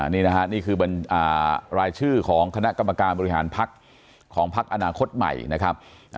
นี่นะฮะนี่คือรายชื่อของคณะกรรมการบริหารพักของพักอนาคตใหม่นะครับ